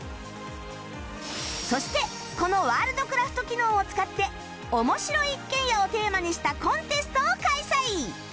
そしてこのワールドクラフト機能を使って「おもしろ一軒家」をテーマにしたコンテストを開催！